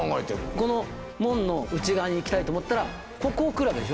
この門の内側に行きたいと思ったらここを来るわけでしょ。